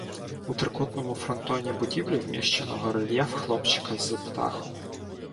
У трикутному фронтоні будівлі вміщено горельєф хлопчика з птахом.